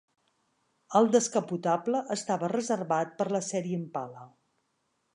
El descapotable estava reservat per la sèrie Impala.